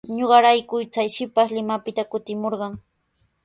Ñuqarayku chay shipash Limapita kutimurqan.